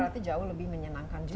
berarti jauh lebih menyenangkan juga